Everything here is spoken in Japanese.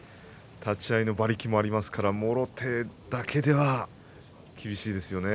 立ち合いの馬力もありますからもろ手だけでは厳しいですよね。